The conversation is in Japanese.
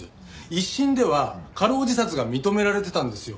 一審では過労自殺が認められてたんですよ。